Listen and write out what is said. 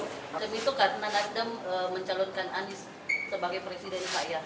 karena nasdem mencalonkan anies sebagai presiden pak